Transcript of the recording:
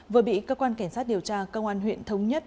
vừa bị cơ quan cảnh sát điều tra công an huyện thống nhất